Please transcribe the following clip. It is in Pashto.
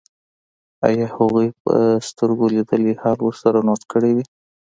ایا هغوی به سترګو لیدلی حال ورسره نوټ کړی وي